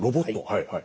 はいはい。